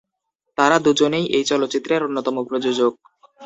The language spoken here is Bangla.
তারা দুজনই এই চলচ্চিত্রের অন্যতম প্রযোজক।